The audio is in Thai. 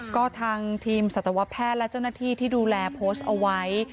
ก็ทางทีมสัตวแพทย์และเจ้าหน้าที่ที่ดูแลโพสต์เอาไว้